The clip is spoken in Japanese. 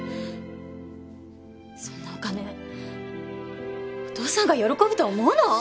そんなお金お父さんが喜ぶと思うの！？